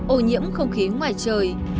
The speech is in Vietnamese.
ô nhiễm không khí ngoài trời